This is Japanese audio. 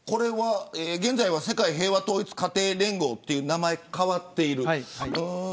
現在は世界平和統一家庭連合と名前が変わっている。